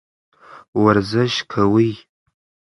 ورزش کوئ.